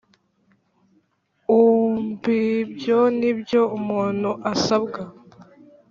Umb ibyo ni byo umuntu asabwa